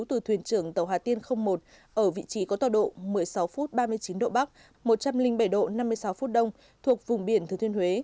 từ thuyền trưởng tàu hà tiên một ở vị trí có tòa độ một mươi sáu phút ba mươi chín độ bắc một trăm linh bảy độ năm mươi sáu phút đông thuộc vùng biển thứ thiên huế